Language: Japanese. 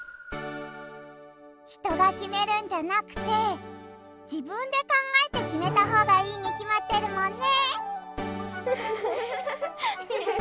人が決めるんじゃなくて自分で考えてきめたほうがいいにきまってるもんね。